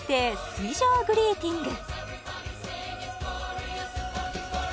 水上グリーティング